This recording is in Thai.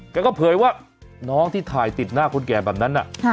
แกก็เผยว่าน้องที่ถ่ายติดหน้าคนแก่แบบนั้น